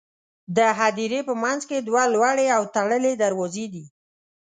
د هدیرې په منځ کې دوه لوړې او تړلې دروازې دي.